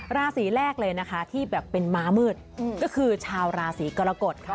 ราศีแรกเลยนะคะที่แบบเป็นม้ามืดก็คือชาวราศีกรกฎค่ะ